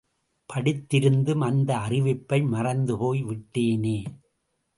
படித்திருந்தும், அந்த அறிவிப்பை மறந்து போய் விட்டேனே.